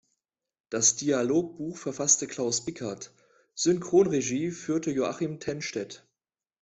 Das Dialogbuch verfasste Klaus Bickert, Synchronregie führte Joachim Tennstedt.